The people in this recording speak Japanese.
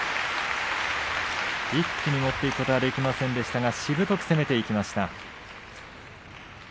一気に持っていくことはできませんでしたがしぶとく攻めていきました。